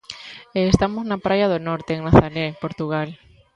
E estamos na praia do Norte, en Nazaré, Portugal.